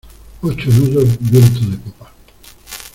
ocho nudos, viento de popa...